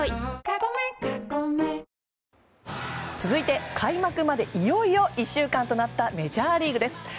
続いて開幕までいよいよ１週間となったメジャーリーグです。